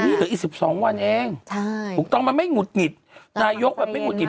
นี่เหลืออีกสิบสองวันเองใช่ถูกต้องมันไม่หุดหงิดนายกแบบไม่หุดหิ